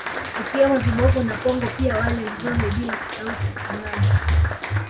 Wakiwemo Viboko na Pongo pia wale Nzohe bila kusahau Fisi maji